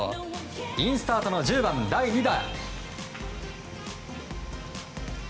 インスタートの１０番、第２打。